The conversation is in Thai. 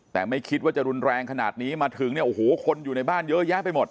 แต่ไม่คิดว่าจะรุนแรงขนาดนี้มาถึงเนี่ยโอ้โหคนอยู่ในบ้านเยอะแยะไปหมด